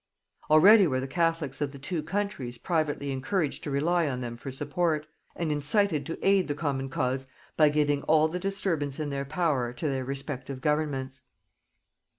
Already were the catholics of the two countries privately encouraged to rely on them for support, and incited to aid the common cause by giving all the disturbance in their power to their respective governments.